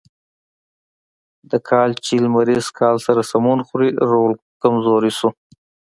د کال چې له لمریز کال سره سمون خوري رول کمزوری شو.